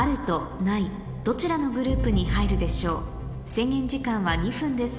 制限時間は２分です